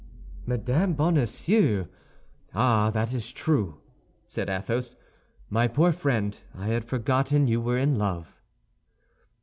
"Madame Bonacieux! Ah, that's true!" said Athos. "My poor friend, I had forgotten you were in love."